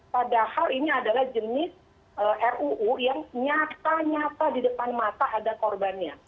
padahal ini adalah jenis ruu yang nyata nyata di depan mata ada korbannya